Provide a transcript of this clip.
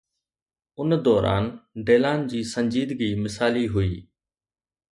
ان دوران، ڊيلان جي سنجيدگي مثالي هئي.